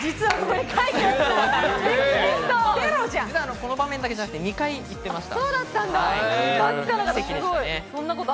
実はこの場面だけじゃなくて２回言っていました。